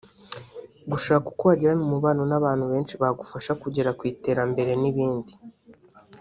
gushaka uko wagirana umubano n’abantu benshi bagufasha kugera ku iterambere n’ibindi